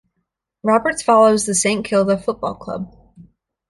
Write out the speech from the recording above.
Roberts follows the Saint Kilda Football Club.